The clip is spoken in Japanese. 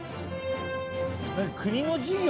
国の事業？